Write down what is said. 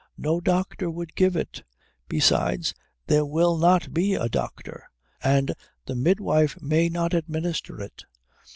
"No doctor would give it. Besides, there will not be a doctor, and the midwife may not administer it.